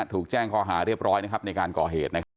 ถูกแจ้งข้อหาเรียบร้อยนะครับในการก่อเหตุนะครับ